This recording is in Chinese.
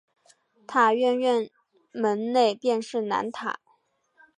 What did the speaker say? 塔院院门内便是南塔。